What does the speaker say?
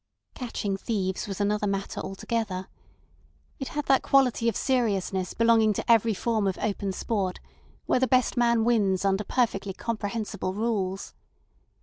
Catching thieves was another matter altogether. It had that quality of seriousness belonging to every form of open sport where the best man wins under perfectly comprehensible rules.